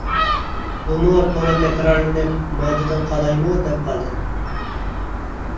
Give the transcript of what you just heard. بۇمۇ تولا تەكرارلىنىپ مودىدىن قالايمۇ دەپ قالدى.